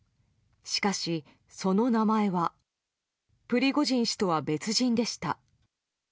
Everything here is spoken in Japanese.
しかし、その名前はプリゴジン氏とは別人でした。